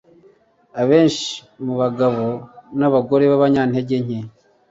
Benshi mu bagabo nabagore babanyantege nke